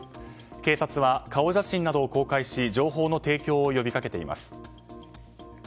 警察は顔写真などを公開し情報の提供を呼び掛けています。